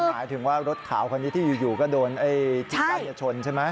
หมายถึงว่ารถขาวคนนี้ที่อยู่ก็โดนที่ใกล้จะชนใช่ไหม